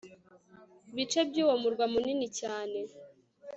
bice byuwo murwa munini cyane